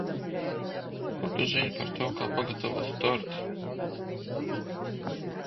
Ko tu zini par to, kā pagatavot torti?